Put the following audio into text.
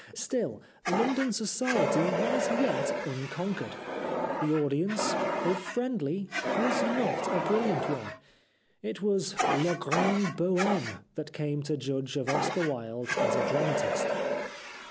Still, London Society was yet unconquered. The audience, if friendly, was not a brilliant one. It was la grande Boheme that came to judge of Oscar Wilde as a dramatist."